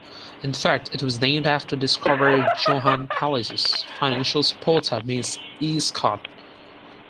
In fact, it was named after discoverer Johann Palisa's financial supporter Miss E. Scott.